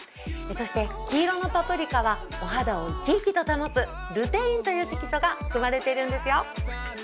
そして黄色のパプリカはお肌を生き生きと保つルテインという色素が含まれてるんですよ。